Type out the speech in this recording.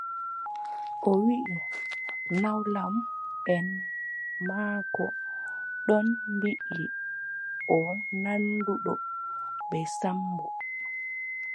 O wiʼi nawlamʼen maako ɗon mbiʼi o nanduɗo bee Sammbo.